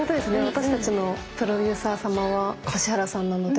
私たちのプロデューサー様は指原さんなので。